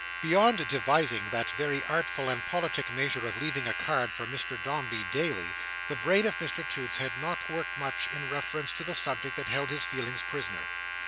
Beyond devising that very artful and politic measure of leaving a card for Mr Dombey daily, the brain of Mr Toots had not worked much in reference to the subject that held his feelings prisoner.